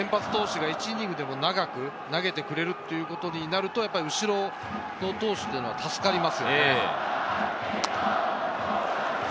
なので先発投手が１イニングでも長く投げてくれるということになると後ろの投手、助かりますので。